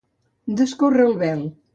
Descórrer el vel.